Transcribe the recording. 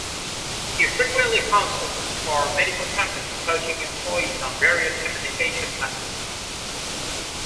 He frequently consults for medical companies, coaching employees on various communication methods.